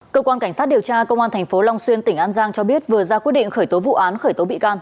cơ quan cảnh sát điều tra công an tp long xuyên tỉnh an giang cho biết vừa ra quyết định khởi tố vụ án khởi tố bị can